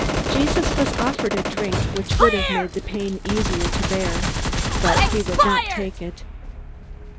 Jesus was offered a drink which would have made the pain easier to bear, but he would not take it.